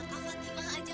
kak fatima aja gak percaya